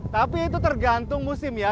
tapi itu tergantung musim ya